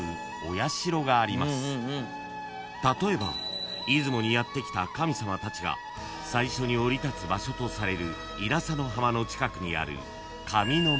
［例えば出雲にやって来た神様たちが最初に降り立つ場所とされる稲佐の浜の近くにある］